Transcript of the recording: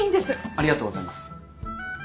ありがとうございます。